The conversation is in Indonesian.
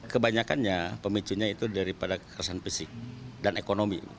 kebanyakannya pemicunya itu daripada kekerasan fisik dan ekonomi